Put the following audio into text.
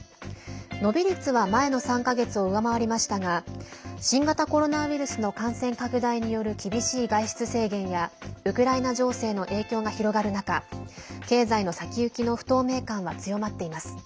伸び率は前の３か月を上回りましたが新型コロナウイルスの感染拡大による厳しい外出制限やウクライナ情勢の影響が広がる中経済の先行きの不透明感は強まっています。